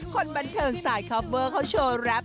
คนบันเทิงสายคอปเวอร์เขาโชว์แรป